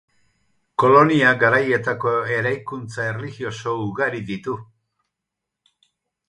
Kolonia-garaietako eraikuntza erlijioso ugari ditu.